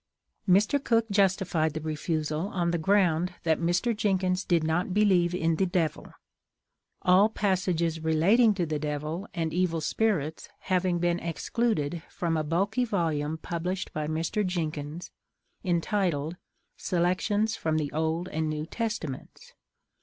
Mr. Cook justified the refusal on the ground that Mr. Jenkins did not believe in the Devil, all passages relating to the Devil and evil spirits having been excluded from a bulky volume published by Mr. Jenkins, entitled "Selections from the Old and New Testaments."